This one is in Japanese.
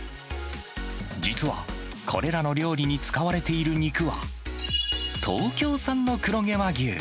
実はこれらの料理に使われている肉は、東京産の黒毛和牛。